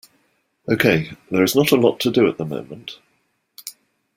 Okay, there is not a lot to do at the moment.